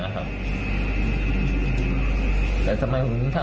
แต่ทำไมผมไม่รู้เหมือนกัน